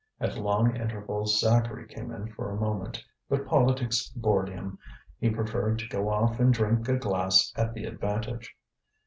At long intervals Zacharie came in for a moment; but politics bored him, he preferred to go off and drink a glass at the Avantage.